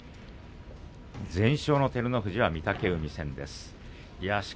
全勝の照ノ富士はきょうは御嶽海戦です。